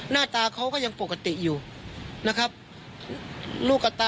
หน้าตาเขาก็ยังปกติอยู่